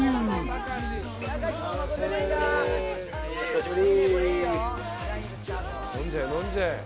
久しぶり。